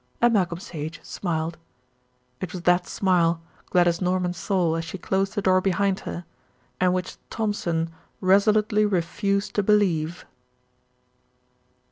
And Malcolm Sage smiled. It was that smile Gladys Norman saw as she closed the door behind her, and which Thompson resolutely refused to believe.